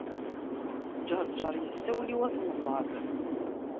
Ǧeṛǧeṛ yessawel i wat Mẓab.